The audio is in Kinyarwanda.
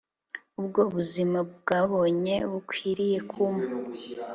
ubwo buzima bwabonye bukwiriye kumpa